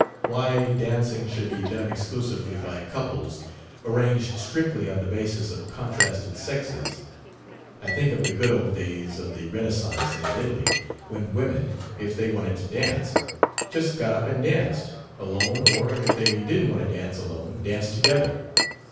Why dancing should be done exclusively by couples arranged strictly on the basis of contrasted sexes...! I think of the good old days of the Renaissance in Italy, when women, if they wanted to dance, just got up and danced alone, or, if they didn't want to dance alone, danced together.